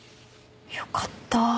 よかった。